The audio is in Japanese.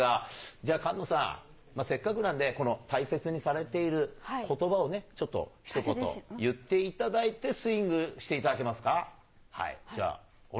じゃあ菅野さん、せっかくなんでこの大切にされていることばをね、ちょっとひと言言っていただいて、スイングしていただけますか？